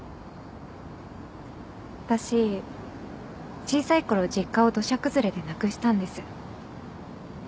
私小さいころ実家を土砂崩れでなくしたんです。